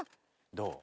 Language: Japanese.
どう？